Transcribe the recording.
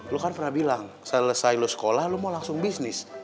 lu kan pernah bilang selesai lo sekolah lo mau langsung bisnis